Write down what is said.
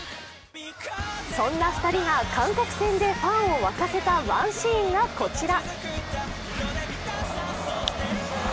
そんな２人が韓国戦でファンを沸かせたワンシーンがこちら。